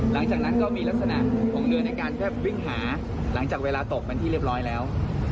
หลังจากนั้นก็มีลักษณะของเรือในการแค่วิ่งหาหลังจากเวลาตกเป็นที่เรียบร้อยแล้ว